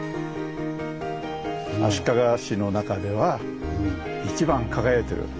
足利市の中では一番輝いてる。